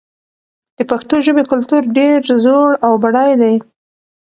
د پښتو ژبې کلتور ډېر زوړ او بډای دی.